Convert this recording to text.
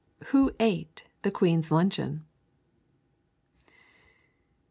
WHO ATE THE QUEEN'S LUNCHEON?